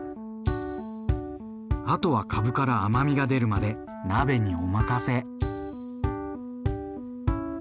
あとはかぶから甘みが出るまで鍋にお任せ。